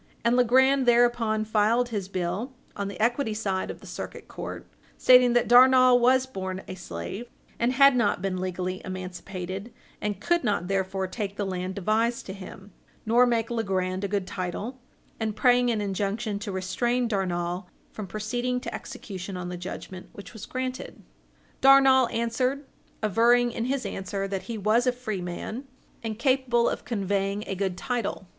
And Legrand thereupon filed his bill on the equity side of the Circuit Court, stating that Darnall was born a slave, and had not been legally emancipated, and could not therefore take the land devised to him, nor make Legrand a good title, and praying an injunction to restrain Darnall from proceeding to execution on the judgment, which was granted. Darnall answered, averring in his answer that he was a free man, and capable of conveying a good title.